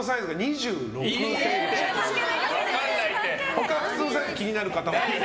他、靴のサイズ気になる方？